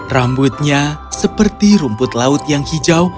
rambutnya seperti rumput laut yang hijau